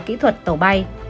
và kỹ thuật tàu bay